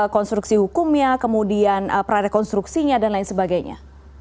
konstruksi hukumnya kemudian prarekonstruksinya dan lain sebagainya